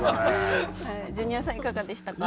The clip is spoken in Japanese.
ジュニアさんいかがでしたか？